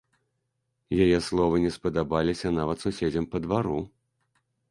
Яе словы не спадабаліся нават суседзям па двару.